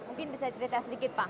mungkin bisa cerita sedikit pak